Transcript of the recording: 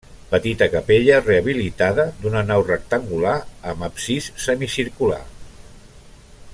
Petita capella rehabilitada d'una nau rectangular amb absis semicircular.